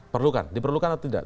perlukan diperlukan atau tidak